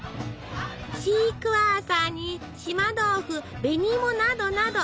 シークワーサーに島豆腐紅芋などなど。